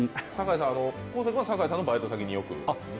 昴生さんは坂井さんのバイト先によく？